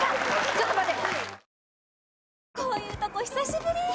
ちょっと待って。